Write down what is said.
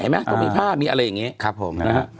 มีผ้ามีอะไรอย่างงี้ครับผม